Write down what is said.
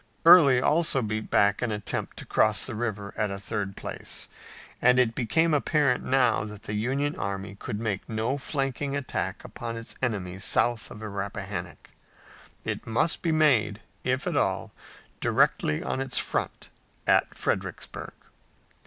Early also beat back an attempt to cross the river at a third place, and it became apparent now that the Union army could make no flanking attack upon its enemy south of the Rappahannock. It must be made, if at all, directly on its front at Fredericksburg.